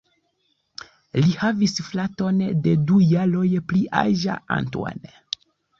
Li havis fraton de du jaroj pli aĝa, Antoine.